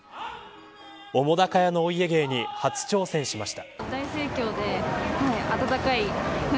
澤瀉屋のお家芸に初挑戦しました。